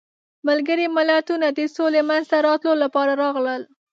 ملګري ملتونه د سولې منځته راتلو لپاره راغلل.